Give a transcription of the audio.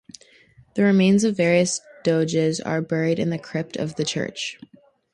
The remains of various doges are buried in the crypt of the church.